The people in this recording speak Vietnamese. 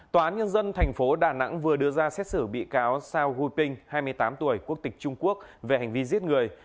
tòa án nhân dân tp đà nẵng vừa đưa ra xét xử bị cáo sao gu ping hai mươi tám tuổi quốc tịch trung quốc về hành vi giết người